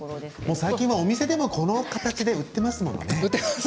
最近はお店でも、この形で売っていますものね。